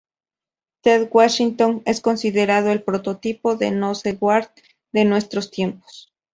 Ted Washington es considerado el prototipo de Nose-guard de nuestros tiempos.